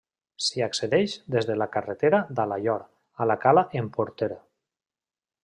S'hi accedeix des de la carretera d'Alaior a Cala en Porter.